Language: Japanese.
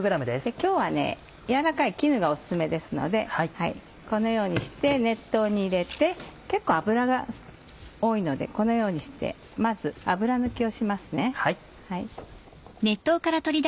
今日は柔らかい絹がオススメですのでこのようにして熱湯に入れて結構油が多いのでこのようにしてまず油抜きをしますね。